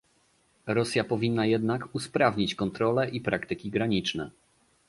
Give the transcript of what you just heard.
Rosja powinna jednak usprawnić kontrole i praktyki graniczne